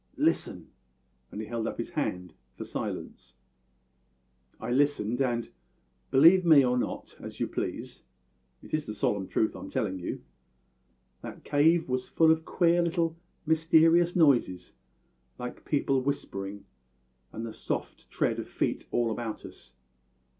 `Listen!' and he held up his hand for silence. "I listened; and believe me or not as you please, it is the solemn truth I'm telling you that cave was full of queer little mysterious noises, like people whispering, and the soft tread of feet all about us.